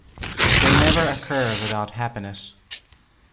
They never occur without happiness.